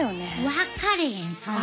分かれへんそんなん。